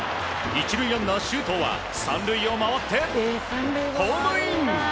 １塁ランナー周東は３塁を回って、ホームイン！